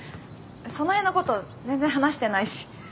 その辺のこと全然話してないし。